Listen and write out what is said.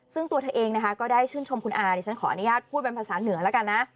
ซึ่งตัวเธอเองนะคะก็ได้ชื่นชมคุณอาดิฉันขออนุญาตพูดเป็นภาษาเหนือแล้วกันนะ